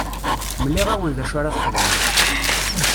Mliɣ-awen d acu ara txedmem.